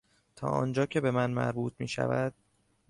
تا آنجا که بهمن مربوط میشود